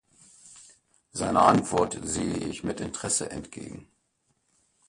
Seiner Antwort sehe ich mit Interesse entgegen.